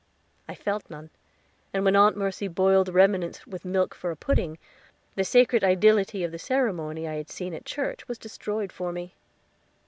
I felt none, and when Aunt Mercy boiled the remnants with milk for a pudding, the sacred ideality of the ceremony I had seen at church was destroyed for me.